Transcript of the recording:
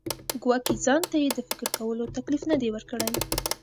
ګواکې ځان ته یې د فکر کولو تکلیف نه دی ورکړی.